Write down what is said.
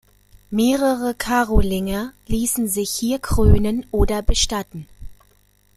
Mehrere Karolinger ließen sich hier krönen oder bestatten.